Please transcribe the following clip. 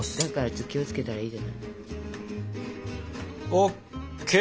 気を付けたらいいじゃない。ＯＫ！